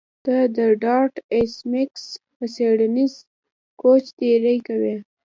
ته د ډارت ایس میکس په څیړنیز کوچ تیری کوې